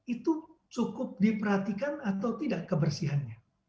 itu cukup diperhatikan atau tidak kebersihannya